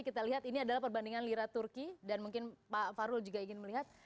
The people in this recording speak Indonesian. kita lihat ini adalah perbandingan lira turki dan mungkin pak farul juga ingin melihat